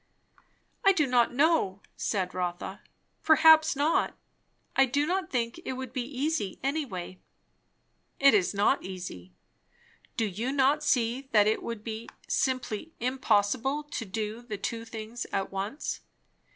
"I do not know," said Rotha. "Perhaps not. I do not think it would be easy any way." "It is not easy. Do you not see that it would be simply impossible to do the two things at once?